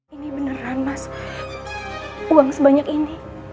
ini beneran mas uang sebanyak ini